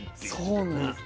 そうなんです。